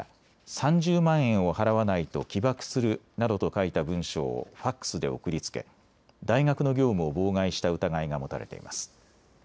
３０万円を払わないと起爆するなどと書いた文章をファックスで送りつけ、大学の業務を妨害した疑いが持たれています。